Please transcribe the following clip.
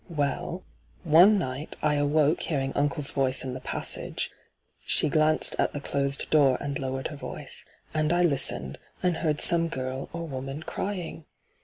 Well, one night I awoke hearing uncle's voice in the passage '— she glanced at the closed door and lowered her voice —' and I listened, and heard some girl or woman crying.